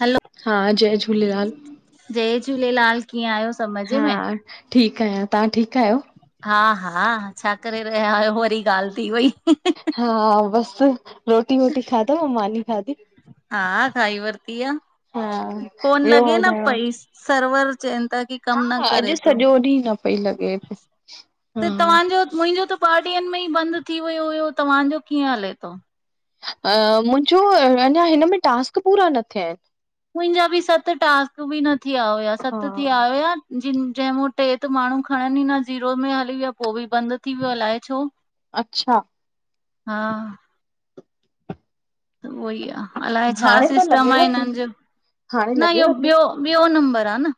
हल हा जय झूलेलाल जय झूलेलाल, कीअं आहियो सब मजे हा में? ठीकु आहियां, तव्हां ठीकु आहियो? हा हा छा करे रहिया आहियो, वरी ॻाल्हि थी वई। हा बसि, रोटी- वोटी खाधव। मानी खाधी हा खाई वरती आह। हा फोन ॿियो लॻे न ॿुधायो पई, सर्वर चवनिता कि हा कम न करे अॼु थो, सॼो ॾींहुं न पई लॻे हा त तव्हांजो मुंहिंजो त ॿ ॾीहनि में ई बंदि थी वियो हुयो, तव्हांजो कीअं हले थो? अ मुंहिंजो अञा हिन में टास्क पूरा न थिया आहिनि। मुंहिंजा बि सत टास्क बि न थीया हुया, हा सत थी आया हुया। जंहिंमो टे त माण्हू खणनि ई न, जीरो में हली विया पोइ बि बंदि थी वियो अलाए छो? अच्छा। हा उहो ई आह। अलाए छा हाणे त सिस्टम लॻेव आहे थी हिननि जो? हाणे न इहो लॻेव थी ॿियो ॿियो नंबर आह न।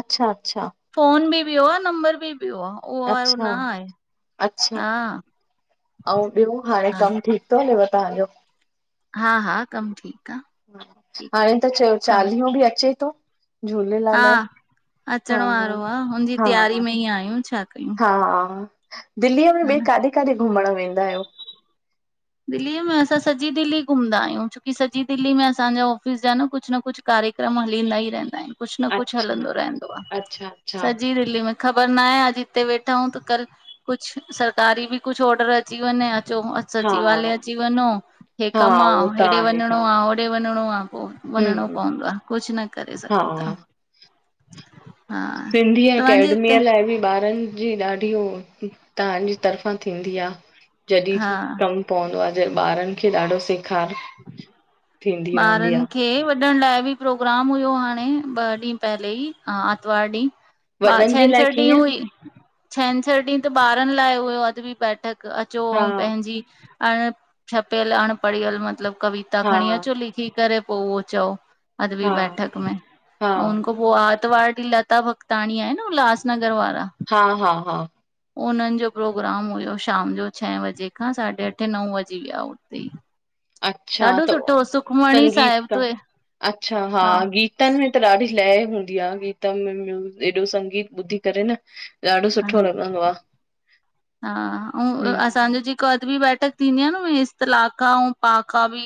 अच्छा- अच्छा फोन में बि ॿियो। नंबर बि ॿियो आह। अच्छा- अच्छा अऊं ॿियो हाणे हा कमु ठीकु तो हलेव पांच वटि हा हा कमु ठीक हाणे त चयो चालीहो बि अचे थो। हा झूलेलाल जो। हा अचण वारो आ, हुनजी तैयारी -हा, में ई आहियूं छा कयूं, हा दिल्लीअ में हा ॿे न काॾे - काॾे घुमणु वेंदा आहियो? दिल्लीअ में असां सॼी दिल्ली घुमदा आहियूं छो कि सॼी दिल्ली में असांजा ऑफिस जा न कुझु न कुझु कार्यक्रम हलींदा ई रहंदा आहिनि कुझु न कुझु अच्छा, हलंदो रहंदो आ, अच्छा, अच्छा, सॼी दिल्ली में ख़बर नाहे अॼु हिते वेठा हूं त कल कुझु सरकारी बि कुझु ऑडर अची वञे अचो हा, सचिवालय अची वञो हे हा कमु आ उहो त हेॾे आहे हा। वञणो आ होॾे वञणो आ पो वञणो हम्म पवंदो आ कुझु न करे सघ हा, उतां सिंधी अकेडमीअ लाइ बि ॿारन जी ॾाढी उ तहांजी तरफ़ा थींदी आ जॾहिं हा भी कम पवंदो आ जे ॿारनि खे ॾाढो सेखार थींदी रहंदी आ। ॿारनि खे व वॾन लाइ बि प्रोग्राम हुयो हाणे ॿ ॾींहं पहले ई आर्तवार ॾींह वॾनि जे लाइ छंछरु ॾींहुं कीअं? हुई छंछरु ॾींहं त ॿारनि लाइ हुयो अॼ बि बैठक अचो हा, अऊ पंहिंजी - - अण छपियल अणपढ़ियल मतलबु कविता हा, खणी अचो लिखी करे पो उहा चओ। अॼु भी हा, बैठक में, अऊ हा। उनको - - उहो आरतवार ॾीह लता भकताणी आहे न उल्हासनगर वारा हा हा हा उन्हनि जो प्रोग्राम हुयो शाम जो छह बजे खां साढे अठे नव बजे विया हुते ई। अच्छा ॾाढो त सुठो सुखमणी संगीत साहिब का, ते अच्छा हा गीत - गीतनि में त ॾाढी लय हूंदी आहे। गीत में [unintelligible] एॾो संगीत ॿुधी करे न ॾाढो हा सुठो लॻंदो आ। हा ऊ ऐ [unintelligible] तव्हां हम्म, जो जेको अॼ बी बैठक थींदी आहे न, इसतलाका ऐं पहाका बि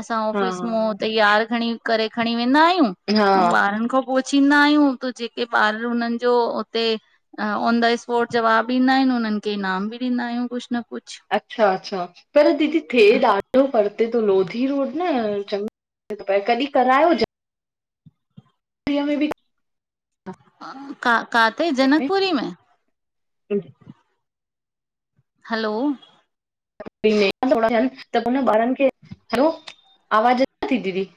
असां हा, ऑफ़िस मा तेयार खणी करे खणी वेंदा आहियूं अऊ हा, ॿारनि खां पुछींदा आहियूं तूं जेके ॿार हुननि जो उते ऑन द स्पॉट जवाब ॾींदा आहिनि उन्हनि खे इनाम बि ॾींदा आहियूं कुझु न कुझु अच्छा अच्छा, पर दीदी थिए ॾाढो परते थो लोधी रोड न परते तो पए, कॾहिं करायो ज दरया में बि [inaudible] काथे जनकपुरी में? हा हलो थोरा थियनि त हुन ॿारनि खे हलो आवाज़ अचे ती दीदी?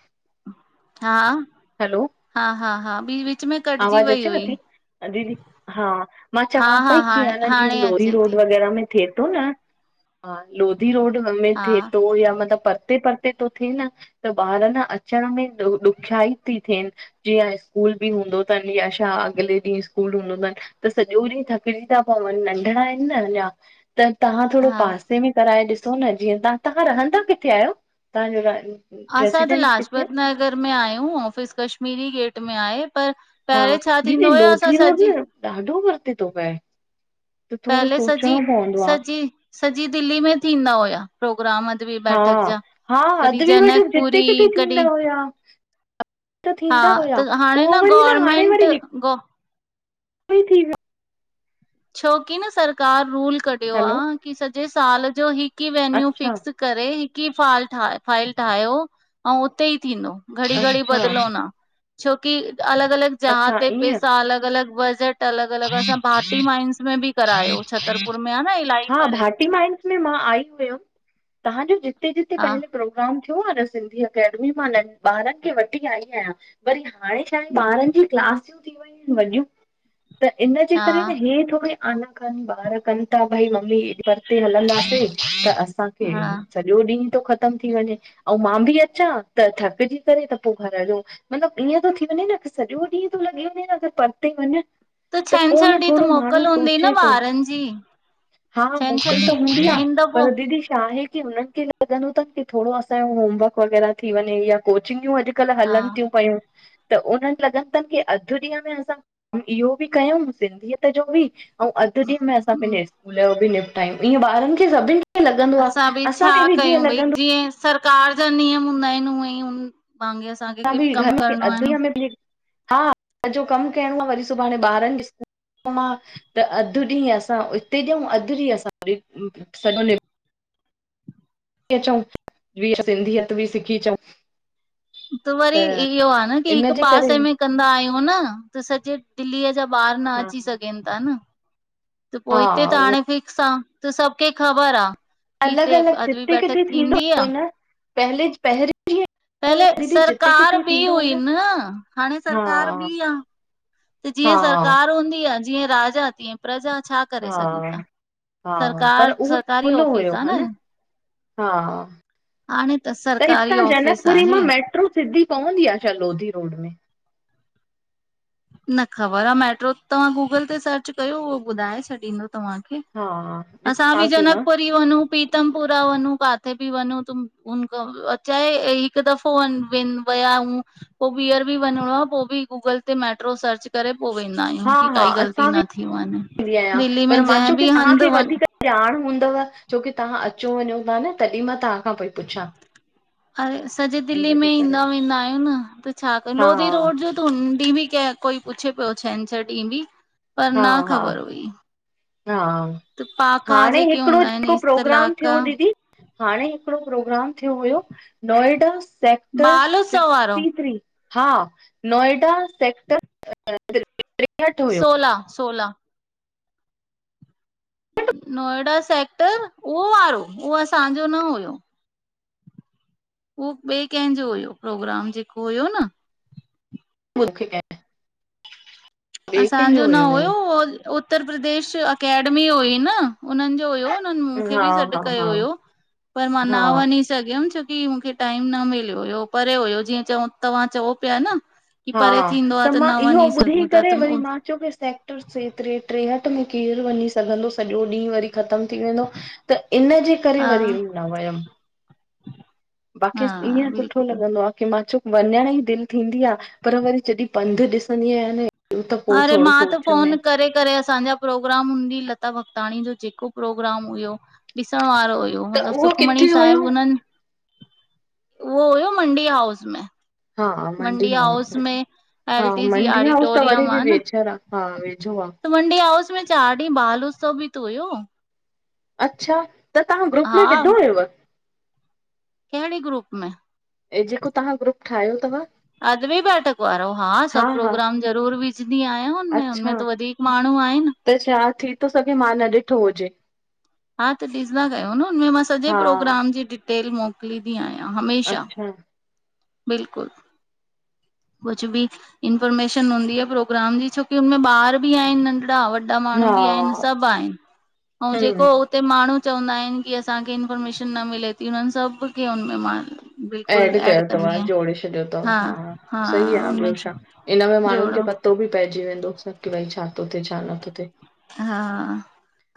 हा हलो हा हा हा बि बि आवाज अचेव ती? दीदी हा, मां हा चवां हा पई कीअं हाणे आहे न जीअं हाणे लोरी अचे थी रोड वग़ैरह में थिए तो न, हा लोधी रोड में हा थिए तो या मतलब परते परते थिए न त ॿार न अचण में ॾुख्याई थी थिएनि। जीअं स्कूल बि हूंदो थनि या छा अॻले ॾींहुं स्कूल हूंदो थनि त सॼो ॾींहुं थकिजी था पवनि नंढिड़ा आहिनि न अञां त तहां थोरो हा पासे में कराए ॾिसो न जीअं तवां तहां रहंदा किथे आहियो? तव्हांजो असां त रेसिडेंट किथे आहे? लाजपत नगर में आहियूं ऑफिस कश्मीरी गेट में आहे पर हा पहिरें छा दीदी थींदो हुयो असां लोधी रोड सॼी न ॾाढो परते थो पए त थोरो पहले सॼी सोचणो पवंदो आ। सॼी सॼी दिल्ली में थींदा हुया। प्रोग्राम अॼु बि हा बैठक जा हा कॾहिं अदबी मठक जिते किथे जनकपुरी कॾहिं [unintelligible] त हा थींदा त हुया हाणे पोइ न वरी गवरमेंट ग फ्री थी विया छोकी न सरकार रूल कढियो आ हलो की सॼे साल जो हिकु ही वेन्यू अच्छा फिक्स करे हिक ही फाइल ठाहियो अउ उते ई थींदो। घड़ी घड़ी अच्छा बदलो न छोकी अलग अलग जहा अच्छा ते ईअं पैसा अलग अलग बजट त अलग अलग असां भाती माइंस में बि करायो, छतरपुर में आहे न इलाही हा परे। भाटी माइंस मां आई हुयमि तव्हांजो जिते जिते हा पहले प्रोग्राम थियो आ न सिंधी एकेडमी मा ॿारनि खे वठी आई आहियां वरी हाणे छा आहिनि हा ॿारनि जी क्लासियूं थी वियूं आहिनि वॾियूं त इन जे हा करे न हे थोरे आना कनि ॿार कनि था भाई मम्मी ऐॾी परते हलंदासे त असांखे हा स ॿियो ॾींहु तो ख़त्म थी वञे अउ मा बि अचां त, थकजी करे त पो घर जो। मतलब ईअं थो थी वञे न सॼो ॾींहुं थो लॻी वञे न अगर परते वञ त पो छंछरु न ॾींहुं त थोरो माण्हू मोकल हूंदी न सोचे तो। ॿारनि जी हा छंछरु मोकिल त हूंदी आ ॾींहुं ईंदो पो पर दीदी छा आहे की हुननि खे लंॻदो तनि की थोरो असांजो होमवर्क वग़ैरह थी वञे या कोचिंगूं अॼु अॼुकल्ह हा हलनि थियूं पयूं त उन्हनि लॻनि अथनि की अधु ॾींहं में असां इहो कयु सिंधीयत जो बि ऐं अधु ॾींहं में असां हम्म पंहिंजे स्कूल जो भी निपटायू इह ॿारनि खे सभिनि खे लॻंदो आ असां बि छा असांखे बि जीअं कयूं भई लॻंदो जीअं सरकार जा नियम हूंदा आहिनि उहेहि उन [unintelligible] असां बि घर खे अधु ईअ में बि हा सॼो कमु थियण खां वरी सुभाणे ॿारनि ॾी त अधु ॾींहुं असां इते ॾऊं अधु ॾींहुं असां वरी सभ निप थी अचु ॿी सिंधियत बि सिखी अचूं। त वरी इहो आ न की हिक इनजे करे पासे में कंदा आहियूं न त सॼे दिल्लीअ जा ॿार न हा अची सघनि था न त पो हा हिते त उहो हाणे फिक्स आ। त सभ के ख़बर आ। की अलॻि हिते अलॻि अदबी जिते बैठक किथे थींदो थींदी आ। न पहले पहिरीं जीअं पहले दीदी जिते सरकार किथे बि थींदो हो हुई न हाणे हा सरकार बि आ। त जीअं हा सरकार हूंदी आ जीअं राजा तीअं प्रजा छा करे हा सघूं था। हा पर सरकार उहो सरकारी खुलो हुयो ऑफिस आ हा न? हा हाणे त सरकारी हितां ऑफिस जनकपुरी मा आहे। मेट्रो सिधी पवंदी आ छा लोधी रोड में? न ख़बर आ मैट्रो, तव्हां गूगल ते सर्च कयो उहो ॿुधाए छॾींदो तव्हांखे। हा असां ॾिसां बि थी मां जनकपुरी पुरी वनू प्रीतम पुरा वनू काथे बि वनू तु उन अचे ऐही हिक दफ़ो व विया आयूं पो ॿीहर बि वञणो आ पो बि गूगल ते मेट्रो सर्च करे पो वेंदा आहियूं हा की हा काई ग़लती असां बि न थी वञे ईंदी आहियां दिल्ली पर में मां जंहिं चयो की बि हंधि तव्हांखे वञ त वधीक ॼाण हूंदव छोकी तव्हां अचो वञो था न तॾहिं मा तव्हांखां पई पुछां। अरे सॼी दिल्ली में इनजे करे ईंदा वेंदा आहियूं न त छा कयूं हा लोधी रोड जो उन ॾीहं ॿि केर कोई पुछे पियो छंछरु ॾींहुं बि पर हा न हा ख़बर हुई। हा पाका हाणे जेके हिकिड़ो हूंदा आहिनि जेको प्रोग्राम इस्तलाका थियो दीदी हाणे हिकिड़ो प्रोग्राम थियो हुयो नोएडा स सेक्टर बाल उत्सव वारो सिस्टी थ्री हा नोएडा सेक्टर टेहठि हुयो सोला सोला। नोएडा सेक्टर उहो वारो उहो असांजो न हुयो। उहो ॿिए कंहिंजो हुयो प्रोग्राम जेको हुयो न। मुखे कें असांजो न हुयो हो उत्तर प्रदेश एकेडमी हुई न उननि जो हुयो। हुनन मूखे हा बि सॾ हा कयो हा हुयो पर मां न हा वञी स सघयमि छोकी मूंखे टाइम न मिलियो हुयो, परे हुयो जीअं चयूं तव्हां चओ पिया न की हा, परे थींदो त आहे मां न इहो वञी ॿुधी सघूं था करे त वरी मा चयो की सेक्टर से टे स में आ त केरु वञी सघंदो सॼो ॾींहुं वरी ख़तम थी वेंदो त इनजे करे हा वरी न वयमि। बाक़ी हा ईअं सुठो बिल्कुलु लॻ लॻंदो आ मां चयो वञण ई दिलि थींदी आ, पर वरी जॾहिं पंधु ॾिसंदी आहियां न त पो अरे थोड़ो मां त सोच फ़ोन में करे करे असांजा प्रोग्राम हून ॾीहु लता भॻताणी जो जेको प्रोग्राम हुयो। ॾिसण वारो हुयो, त मतलबु उहो सुखमणी किथे हुयो? साहिब हुननि उहो हुयो मंडी हाउस में। मंडी हाउस में हा एलटीजी मंडी हाउस त वरी ऑडिटोरियम बि आ न। वेझर आ हा वेझो आ। त मंडी हाउस में चारि ॾींहं बाल उत्सव बि त हुयो। अच्छा, त तव्हां ग्रुप हा में विधो हुयव? कहिड़े ग्रुप में? ऐ जेको तव्हां ग्रुप ठाहियो तव। अदवी बैठक वारो, हा सभु प्रोग्राम ज़रूर बि विझदी आहियां हुनमें, हुनमें अच्छा त वधीक माण्हू आहिनि। त छा थीतो सघे मां न ॾिठो हुजे। हा त ॾिसंदा कयो न, हुनमे मां सॼे हा प्रोग्राम जी डिटेल मोकिलींदी आहियां हमेशा। अच्छा बिल्कुलु, कुछु भी। इंफॉर्मेशन हूंदी आ प्रोग्राम जी, छोकी हुनमें ॿार बि आहिनि नंढरा वॾा वॾा हा माण्हू बि आहिनि सभु आहिनि। अऊं जेको हम्म हुते माण्हू चवंदा आहिनि कि असांखे इंफॉर्मेशन न मिले ती। हुननि सभ खे हुनमें मां बिल्कुलु ऐड तव्हां जोड़े छॾियो तव, हा ह सही आ ॿियो हुनमें छा, इन में माण्हुनि जो जोड़ो प पतो बि पइजी वेंदो सभु कि भई छा तो थे छा न थो थे। हा,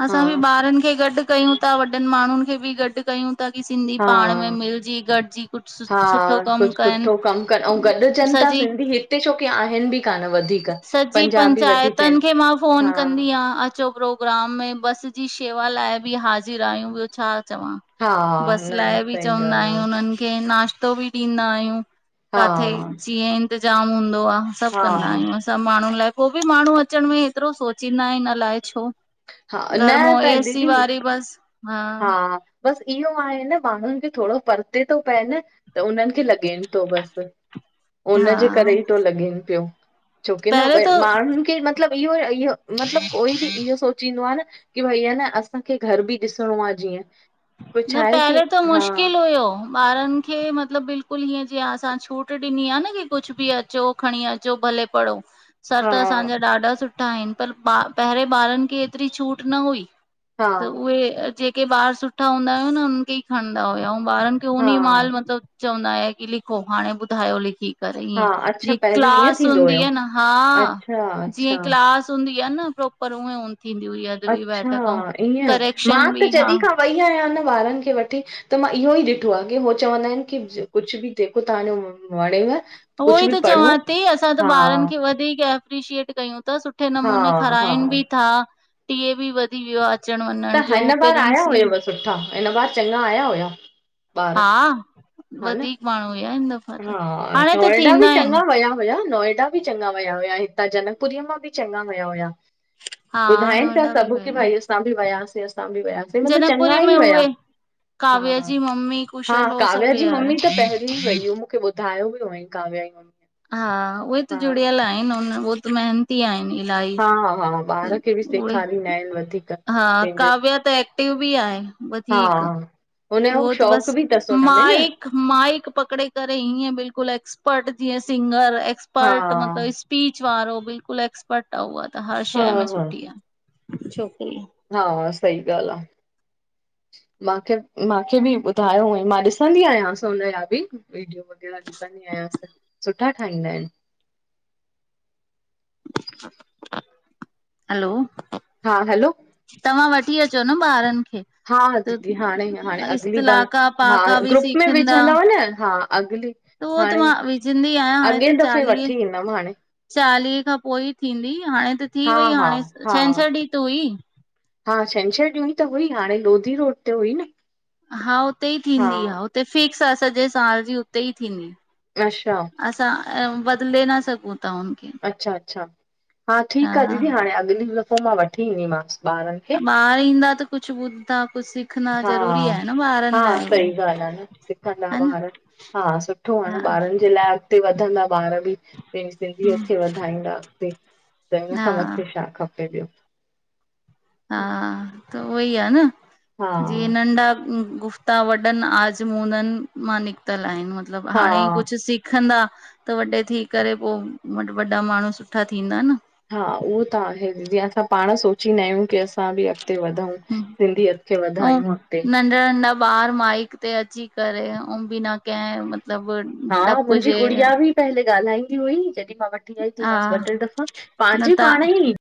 असां बि ॿारनि खे गॾु कयूं था। वॾनि माण्हुनि खे बि गॾु कयूं। तॾी सिंधी पाण में हा, मिलजी गॾजी कुछु सुठो कम कनि। अऊं गॾिजनि ता सॼी सिंधी, हिते छो की आहिनि बि कान्ह वधीक। सॼी पंजाबी वधीक पंचायतनि आहिनि, खे मां फोन हा, कंदी आ, अचो प्रो प्रोग्राम में बस जी शेवा लाइ बि हाज़िर आहियूं, ॿियो छा चवां? हा बस न न लाइ बि सही चवंदा ॻाल्हि आ। आहियूं हुननि खे, नाश्तो बि ॾींदा आहियूं, काथे हा, जीअं इंतज़ाम हूंदो आ सभु कंदा हा, सब माण्हुनि लाइ, पो बि माण्हू अचण में एतिरो सोचींदा इन अलाइ छो? हा न घर मों त एसी दीदी वारी बस। हा, बसि इहो आहे न ॿारनि खे थोड़ो परिते तो पए न। त उन्हनि खे लॻेनि तो बसि बसि हा उनजे करे ई तो लॻेन पियो, छोकि न पहिरें त माण्हुनि खे न मतलब इहो इहो, मतिलब कोई बि इहो सोचींदो आ न कि भई न असां घर बि ॾिसु सुणों आ जीअं। कोई न छा आहे की पहले त हा मुश्किल हुयो। ॿारन खे मतलब बिल्कुल हीअं जीअं असां छूट ॾिनी आ न की कुछ बि अचो खणी अचो भले पढ़ो। सर हा त असांजा ॾाढा सुठा ईन, पर पहरें ॿारन खे एतरी छूट न हुई। हा त उहे, जेके ॿार सुठा हूंदा हुया न हुनन खे ई खणंदा हुया अऊं ॿारन हा कियूनी माल मतलब चवंदा आ की लिखो, हाणे ॿुधायो लिखी। त ईएं हा अच्छा जीअ पहिरियों ईअं क्लास थींदो हूंदी हुयो आ न, हा। अच्छा जीअं अच्छा क्लास हूंदी आ न प्रोपर ऊएं थींदी हुई अॼ बि अच्छा बैठकूं, ईअं मां करैक्शन त बि हा। जॾहिं खां वई आयां न ॿारन खे वठी। त मां इहो ई ॾिठो आह की हो चवंदा ईन की कुछ बि जेको तव्हांजो वणेव उहो कुझु ई बि त चवां पढ़ो ती, असां त हा ॿारन खे वधीक एप्रिशिएट कयूं त सुठ सुठे हा नमूने हा खाराइन बि था टीए बि वधी वियो आ। अचण त वञण जो, हिन बार आया पेरेंट्स बि हुयव सुठा हिन बार चङा आया हुया? ॿार हा, हा न वधीक माण्हू हुया हिन दफ़ो हा नोएडा बि चङा विया हुया नोएडा बि चङा विया हुया, हितां जनकपुरीअ मां बि चङा विया हुया। हा ॿुधाइन पिया नोएडा सभ बि की विया भई असां बि वयासे असां बि वयासे मतलब जनकपुरी चङा में ई विया। उहे हा काव्या हा, जी मम्मी हा कुशल हो काव्या सभु जी विया मम्मी हुया त पहि जी वयूं मूंखे ॿुधायो बि न हुयईं कव्या जी मम्मीअ। हा उहे त जुड़ियल आहिन उ उ त महनती आहिन इलाही। हा हा हा। उहे हा पंहिंजे काव्या त एक्टिव बि आहे हा वधीक हुनजो उह त बस शौक़ बि अथसि हुन में न मां - माइक पकड़े करे हीअं बिल्कुल एक्सपर्ट जीअं सिंगर हा एक्सपर्ट मतिलब स्पीच वारो बिल्कुल एक्सपर्ट आहे उहा त हर हा शइ में हा सुठी आह छोकरी हा सही ॻालह आह। मांखे मांखे बि ॿुधायो हुंई मां ॾिसंदी आयांस हुनजा बि वीडियो हिड़ा ॾिसंदी आयांस सुठा ठाहींदा ईन। हलो। हा हलो। तव्हां वठी अचो न ॿारन खे। हा त दीदी हाणे हाणे अगली बार इस्तलाका हा पाका बि ग्रुप में सिखंदा विझंदव न हा। अगली उहो त हाणे मां विझंदी आयां हाणे अॻे त दफ़े चालीह वठी ईंदमि हाणे चालीह खां पो ई थींदी हाणे त थी हा वई हा हाणे हा छंछरु ॾींह त हुई हा छंछरु ॾीं ई त हुई हाणे लोधी रोड ते हुई न। हा हुते ई हा थींदी आह हुते फिक्स आह सॼे साल जी उते ई थींदी। अच्छा। असां बदले न सघूं ता अच्छा अच्छा हा ठीक आह दीदी हाणे अॻली दफ़ो मां वठी ईंदीमांस। ॿार ईंदा त कुझ ॿुधंदा कुझु सिख हा हा सई ॻाल आह न सिखंदा हा न बार हा सुठो आह हा न ॿारन जे लाइ अॻते वधंदा ॿार बि। पेंजी सिंधियत खे वधाईंदा अॻते त हिन हा खां मथे छा खपे ॿियो? हा, त उओई आ न, हा जींअ नंढा गुफ़् तां वॾन, आजमूनन मां निकतल आएन, मतलब हा हाणेई कुछ सिख सिखंदा, त वॾे थी करे पो, वॾा माणू सुठा थींदा न। हा उहो त आहे, जीअं असां पाण सो सोचिंदा आयूं कि असां बि अॻते वधाऊं सिंधीअत खे ऐं वधायूं अॻते नंढा नंढा ॿार माइक ते अची करे, अऊं बिना कहे मतलब हा मुंजी गुड़िया बि पहले ॻालाईंदी हुई, जॾीं खां वॾ् [unintelligible] हा मांस ॿ टे दफ़ा न पांजी त पाण ई